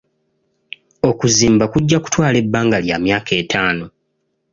Okuzimba kujja kutwala ebbanga lya myaka etaano.